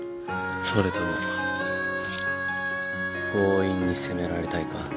それとも強引に攻められたいか？